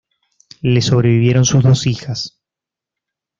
Le sobrevivieron sus dos hijas.